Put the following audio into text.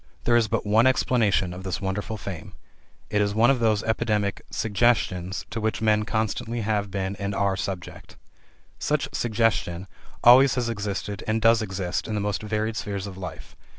There is but one explanation of this wonderful fame: it is one of those epidemic "suggestions" to which men constantly have been and are subject. Such "suggestion" always has existed and does exist in the most varied spheres of life.